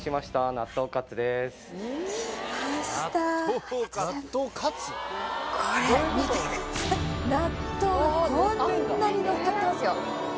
納豆がこんなにのっかってますよ